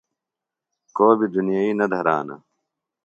کو بیۡ دُنیئیۡ نہ دھرانہ۔